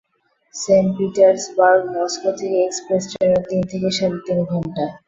Saint Petersburg Moscow থেকে express ট্রেনে তিন থেকে সাড়ে তিন ঘণ্টা।